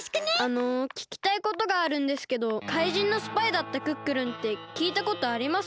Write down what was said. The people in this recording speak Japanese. あのききたいことがあるんですけど怪人のスパイだったクックルンってきいたことあります？